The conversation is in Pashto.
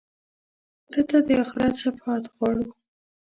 مړه ته د آخرت شفاعت غواړو